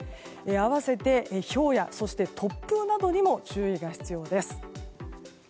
併せて、ひょうや突風などにも注意が必要です。